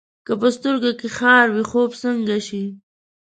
که په سترګو کې خار وي، خوب څنګه شي؟